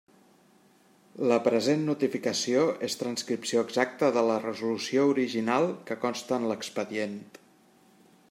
La present notificació és transcripció exacta de la resolució original que consta en l'expedient.